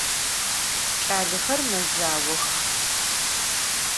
Ç'alexer mezaox.